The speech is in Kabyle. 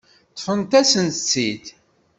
Ṭṭfent-asen-tt-id.